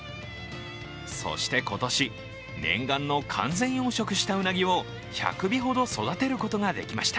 そして今年、念願の完全養殖したウナギを１００尾ほど育てることができました